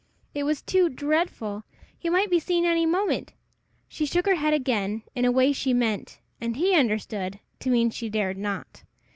It was too dreadful! He might be seen any moment! She shook her head again, in a way she meant, and he understood, to mean she dared not.